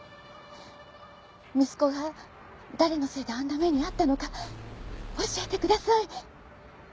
息子が誰のせいであんな目に遭ったのか教えてください！